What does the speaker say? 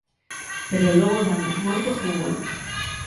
Pero logo danos moito fútbol.